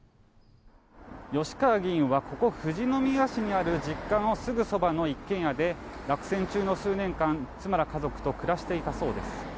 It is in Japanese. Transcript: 吉川議員はここ富士宮市にある実家のすぐそばの一軒家で落選中の数年間妻ら家族と暮らしていたそうです。